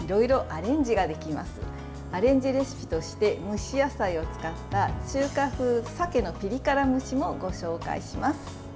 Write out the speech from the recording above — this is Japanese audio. アレンジレシピとして蒸し野菜を使った中華風の鮭のピリ辛蒸しもご紹介します。